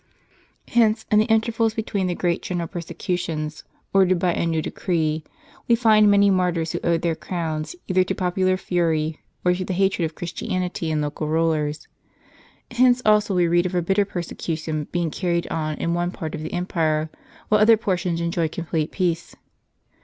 Hence, in the intervals between the greater general persecu tions, ordered by a new decree, we find many martyrs, who owed their crowns either to popular fury, or to the hatred of Christianity in local rulers. Hence also we read of a bitter persecution being carried on in one part of the empire, while other portions enjoyed complete peace.